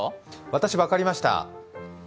私、分かりました。